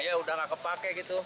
ya udah gak kepake gitu